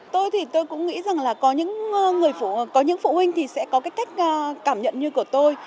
tôi thì tôi cũng nghĩ rằng là có những phụ huynh thì sẽ có cái cách cảm nhận như của tôi